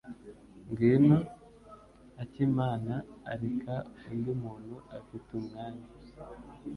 Ngwino akimana, reka undi muntu afite umwanya.